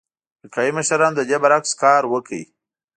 امریکايي مشرانو د دې برعکس کار وکړ.